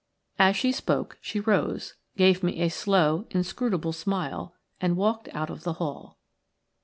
As she spoke she rose, gave me a slow, inscrutable smile, and walked out of the hall.